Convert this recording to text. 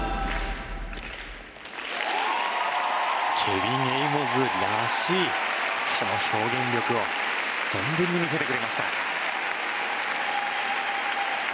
ケビン・エイモズらしいその表現力を存分に見せてくれました。